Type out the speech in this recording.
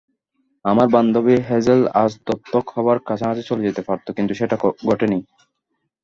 আমার বান্ধবী হ্যাজেল আজ দত্তক হবার কাছাকাছি চলে যেতে পারতো, কিন্তু সেটা ঘটেনি।